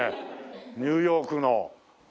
ニューヨークの。